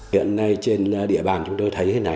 hiện nay trên địa bàn chúng tôi thấy thế này